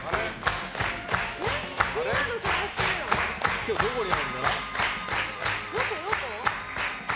今日、どこにあるんだ？